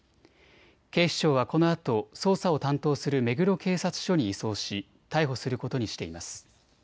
警視庁はこのあと捜査を担当する目黒警察署に移送し逮捕することにしています。